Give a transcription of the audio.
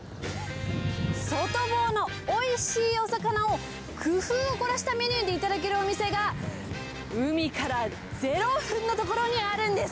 外房のおいしいお魚を工夫を凝らしたメニューで頂けるお店が、海から０分の所にあるんです。